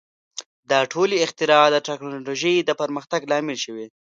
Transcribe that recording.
• دا ټولې اختراع د ټیکنالوژۍ د پرمختګ لامل شوې.